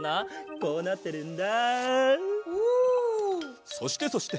こうなってるんだ。